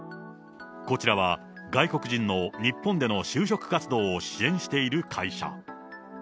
こちらは、外国人の日本での就職活動を支援している会社。